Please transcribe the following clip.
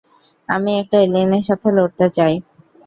আমি একটা এলিয়েনের সাথে লড়তে চাই।